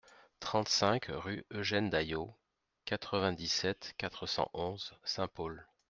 trente-cinq rue Eugêne Dayot, quatre-vingt-dix-sept, quatre cent onze, Saint-Paul